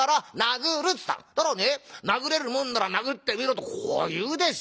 『殴れるもんなら殴ってみろ』とこう言うでしょう。